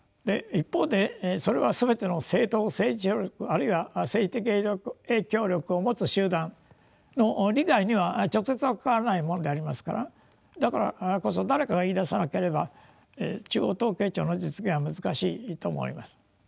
一方でそれは全ての政党政治勢力あるいは政治的影響力を持つ集団の利害には直接は関わらないものでありますからだからこそ誰かが言いださなければ中央統計庁の実現は難しいと思います。